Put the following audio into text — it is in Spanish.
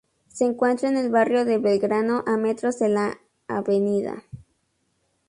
Se encuentra en el barrio de Belgrano, a metros de la Av.